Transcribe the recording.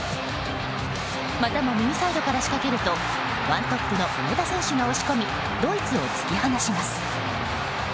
またも右サイドから仕掛けると１トップの上田選手が押し込みドイツを突き放します。